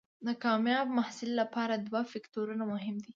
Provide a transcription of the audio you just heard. د کامیاب محصل لپاره دوه فکتورونه مهم دي.